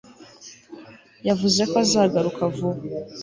Yavuze ko azagaruka vuba